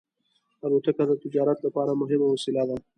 الوتکه د تجارت لپاره مهمه وسیله ده.